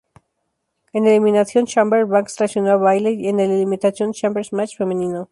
En Elimination Chamber, Banks traicionó a Bayley en el "Elimination Chamber match" femenino.